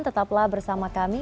tetaplah bersama kami